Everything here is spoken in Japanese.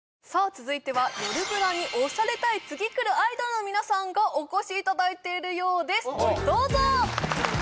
続いては「よるブラ」に推されたい次くるアイドルの皆さんがお越しいただいているようですどうぞ！